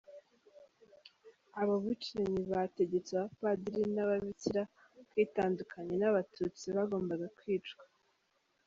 Abo bicanyi bategetse abapadiri n’ababikira kwitandukanya n’Abatutsi bagombaga kwicwa.